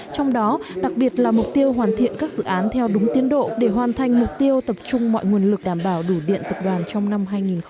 trong đó đặc biệt là mục tiêu hoàn thiện các dự án theo đúng tiến độ để hoàn thành mục tiêu tập trung mọi nguồn lực đảm bảo đủ điện tập đoàn trong năm hai nghìn hai mươi